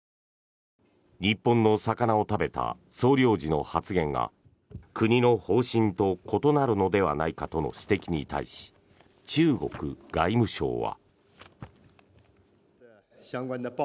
日本の魚を食べた総領事の発言が国の方針と異なるのではないかとの指摘に対し中国外務省は。